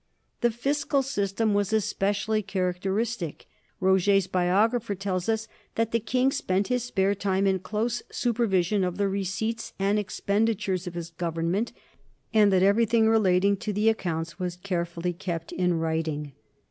The fiscal system was especially characteristic. Roger's biographer tells us that the king spent his spare time in close supervision of the receipts and expendi tures of his government, and that everything relating to the accounts was carefully kept in writing.